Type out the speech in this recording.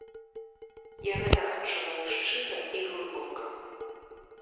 Я гэта адчуваю шчыра і глыбока.